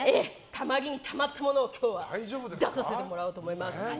たまりにたまったものを今日は出させてもらおうと思います。